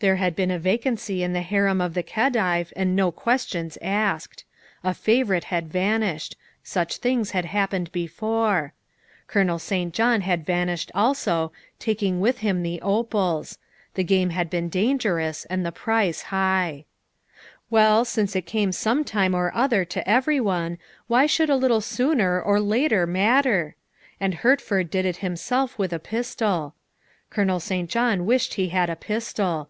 There had been a vacancy in the harem of the Khedive and no questions asked. A favorite had vanished such things had happened before; Colonel St. John had vanished also, taking with him the opals. The game had been d;i 11 serous and the price high. 296 THE WIFE OF Well, since it came some time or other to everyone, why should a little sooner or later matter? And Hert ford did it himself with a pistol. Colonel St. John wished he had a pistol.